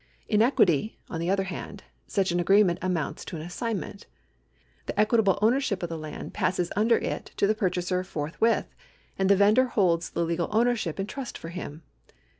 In equity, on the other hand, such an agreement amounts to an assignment. The equit able owTiership of the land passes under it to the purchaser forthwith, and the vendor holds the legal ownership in trust for him.